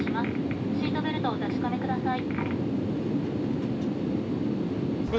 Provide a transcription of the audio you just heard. シートベルトをお確かめ下さい」。